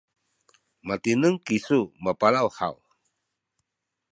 matineng kisu mapalaw haw?